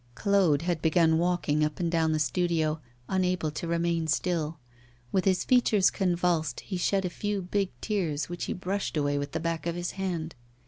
Claude had begun walking up and down the studio, unable to remain still. With his features convulsed, he shed a few big tears, which he brushed away with the back of his hand.